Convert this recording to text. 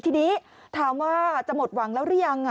ทีนี้ถามว่าจะหมดหวังแล้วหรือยัง